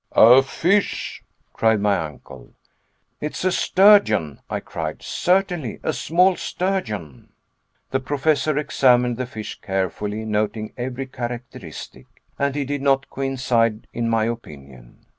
"A fish!" cried my uncle. "It is a sturgeon!" I cried, "certainly a small sturgeon." The Professor examined the fish carefully, noting every characteristic; and he did not coincide in my opinion.